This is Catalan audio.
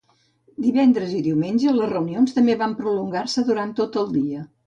Divendres i diumenge, les reunions també van prolongar-se durant tot el dia.